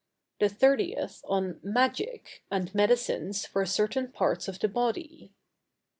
The 30th on Magic, and Medicines for certain parts of the Body.